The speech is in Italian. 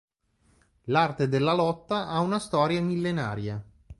L'arte della lotta ha una storia millenaria.